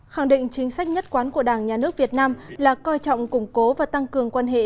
khẳng định chính sách nhất quán của đảng nhà nước việt nam là coi trọng củng cố và tăng cường quan hệ